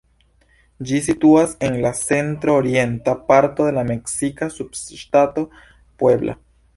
Ĝi situas en la centro-orienta parto de la meksika subŝtato Puebla.